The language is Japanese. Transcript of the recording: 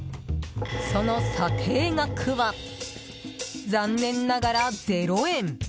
その査定額は、残念ながら０円。